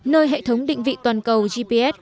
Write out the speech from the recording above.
nơi hệ thống định vị toàn cầu gps